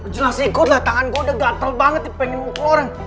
jelas ikut lah tanganku udah gatel banget dipengen mukul orang